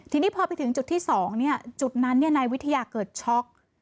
ทีนี้พอไปถึงจุดที่๒จุดนั้นนายวิทยาเกิดช็อก